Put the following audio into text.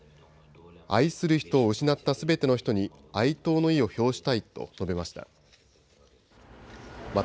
愛する人を失ったすべての人に哀悼の意を表したいと述べました。